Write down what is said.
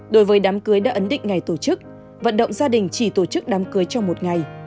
đối với đám cưới đã ấn định ngày tổ chức vận động gia đình chỉ tổ chức đám cưới trong một ngày